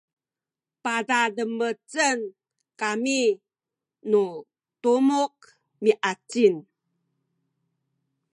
padademecen kami nu tumuk miacin